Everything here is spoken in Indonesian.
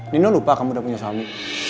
nino lupa kamu udah punya suami